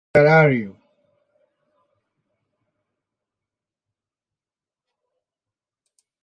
Kan ba tuk i met le ngut lawng kan rian ko.